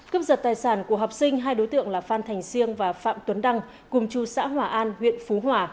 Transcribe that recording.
cấp giật tài sản của học sinh hai đối tượng là phan thành siêng và phạm tuấn đăng cùng chú xã hòa an huyện phú hòa